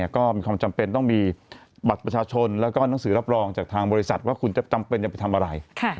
ก็มีความจำเป็นต้องมีบัตรประชาชนแล้วก็หนังสือรับรองจากทางบริษัทว่าคุณจะจำเป็นจะไปทำอะไร